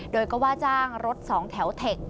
โดยก็ว่าจ้างรถสองแถวเทค